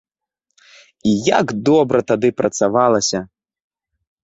І як добра тады працавалася!